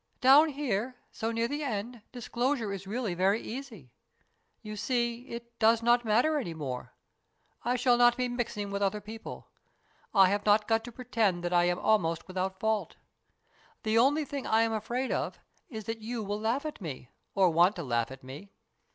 " Down here, so near the end, disclosure is really very easy. You see, it does not matter any more. I shall not be mixing with other people. I have not got to pretend that I am almost without fault. The only thing I am afraid of is that you will laugh at me, or want to laugh at me.